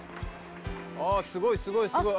「あっすごいすごいすごい！」